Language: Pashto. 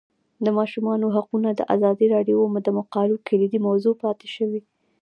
د ماشومانو حقونه د ازادي راډیو د مقالو کلیدي موضوع پاتې شوی.